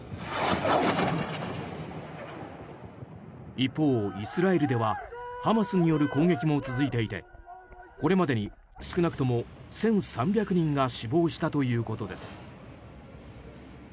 一方、イスラエルではハマスによる攻撃も続いていてこれまでに少なくとも１３００人が死亡したということです。